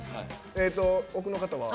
奥の方は？